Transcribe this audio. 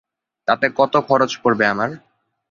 তাতে কত খরচ পড়বে আমার?